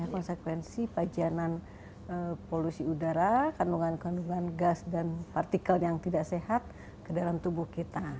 konsekuensi pajanan polusi udara kandungan kandungan gas dan partikel yang tidak sehat ke dalam tubuh kita